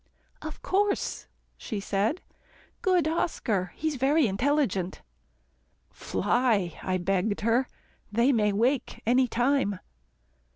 "Of course," she said, "good Oscar, he's very intelligent." "Fly," I begged her. "They may wake any time."